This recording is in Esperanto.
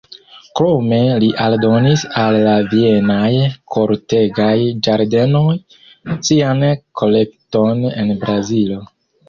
Krome li aldonis al la Vienaj kortegaj ĝardenoj sian kolekton en Brazilo.